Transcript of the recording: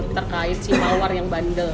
terkait si mawar yang bandel